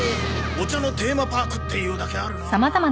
お茶のテーマパークっていうだけあるなあ。